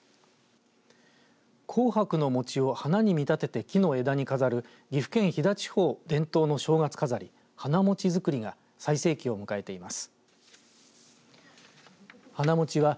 紅白の餅を花に見立てて木の枝に飾る岐阜県飛騨地方伝統の正月飾り花もちづくりが最盛期を迎えています。